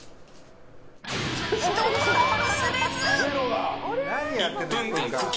１つも結べず。